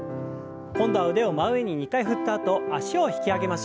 今度は腕を真上に２回振ったあと脚を引き上げましょう。